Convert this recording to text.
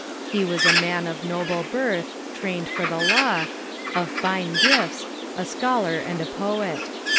He was a man of noble birth, trained for the law, of fine gifts, a scholar and a poet.